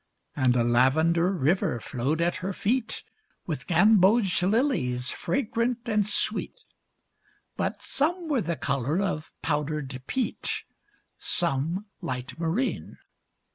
And a lavender river flowed at her feet With gamboge lilies fragrant and sweet, But some were the color of powdered peat, Some light marine.